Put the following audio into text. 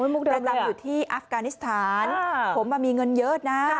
ประจำอยู่ที่อัฟกานิสถานผมมีเงินเยอะนะ